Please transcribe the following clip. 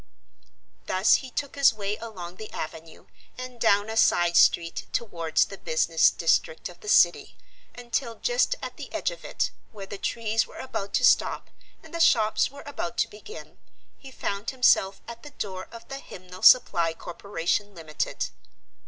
Thus he took his way along the avenue and down a side street towards the business district of the City, until just at the edge of it, where the trees were about to stop and the shops were about to begin, he found himself at the door of the Hymnal Supply Corporation, Limited.